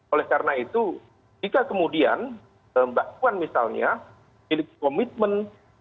oleh karena itu jika kemudian mbak puan misalnya milik komitmen